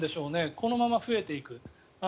このまま増えていく。